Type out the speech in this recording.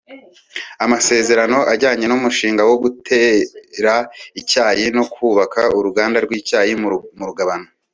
Amasezerano ajyanye n’Umushinga wo gutera icyayi no kubaka uruganda rw’Icyayi mu Rugabano